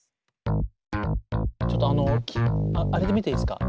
ちょっとあのあれで見ていいですか？